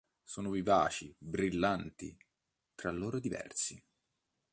Sono vivaci, brillanti, tra loro diversi.